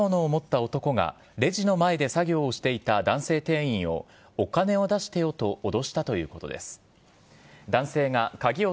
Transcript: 警視庁によりますと、刃物を持った男が、レジの前で作業をしていた男性店員を、お金を出してよと脅したということです。